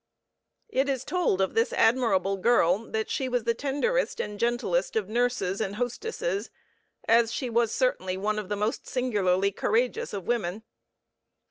It is told of this admirable girl that she was the tenderest and gentlest of nurses and hostesses, as she was certainly one of the most singularly courageous of women.